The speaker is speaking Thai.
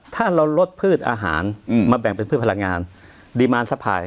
ถ้าเราลดพืชอาหารอืมมาแบ่งเป็นพืชพลังงาน